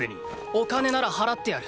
お金なら払ってやる。